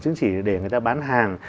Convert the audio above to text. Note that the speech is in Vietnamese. chứng chỉ để người ta bán hàng